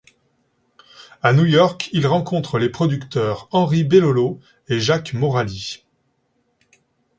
À New York, il rencontre les producteurs Henri Belolo et Jacques Morali.